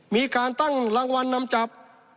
มีการตั้งรางวัลนำจับ